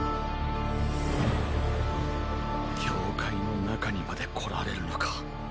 教会の中にまで来られるのか。